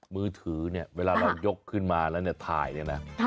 มือถือเนี่ยเวลาเรายกขึ้นมาแล้วเนี่ยถ่ายเนี่ยนะ